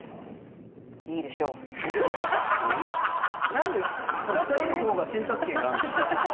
何で２人の方が選択権があるの？